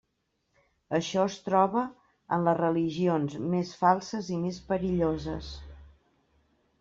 Això es troba en les religions més falses i més perilloses.